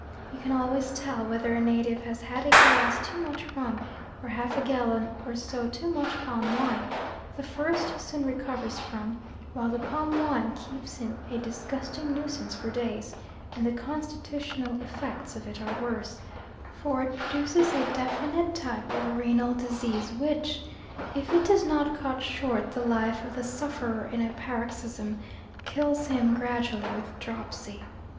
You can always tell whether a native has had a glass too much rum, or half a gallon or so too much palm wine; the first he soon recovers from, while the palm wine keeps him a disgusting nuisance for days, and the constitutional effects of it are worse, for it produces a definite type of renal disease which, if it does not cut short the life of the sufferer in a paroxysm, kills him gradually with dropsy.